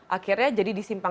akhirnya jadi disimpang simpang